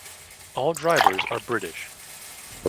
All drivers are British.